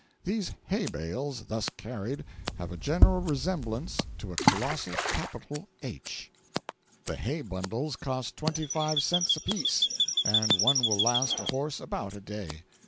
These hay bales, thus carried, have a general resemblance to a colossal capital 'H.' 471.jpg (59K) The hay bundles cost twenty five cents apiece, and one will last a horse about a day.